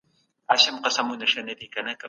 اوس د ترانسپورت عصري وسایل رامنځته شوي دي.